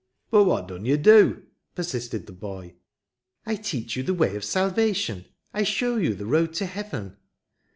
"But what dun yo' do?" persisted the boy. *' I teach you the way of salvation ; I show you the road to heaven."